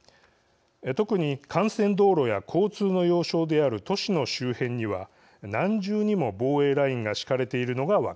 特に幹線道路や交通の要衝である都市の周辺には何重にも防衛ラインが敷かれているのが分かります。